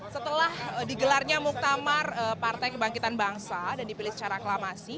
setelah digelarnya muktamar partai kebangkitan bangsa dan dipilih secara aklamasi